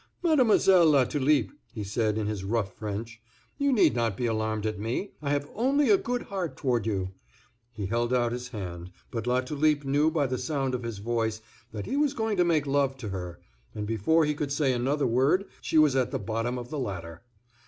"Mademoiselle Latulipe," he said, in his rough French, "you need not be alarmed at me; I have only a good heart toward you." He held out his hand, but Latulipe knew by the sound of his voice that he was going to make love to her, and before he could say another word she was at the bottom of the ladder.